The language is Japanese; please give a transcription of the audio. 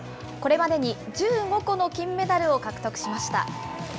これまでに１５個の金メダルを獲得しました。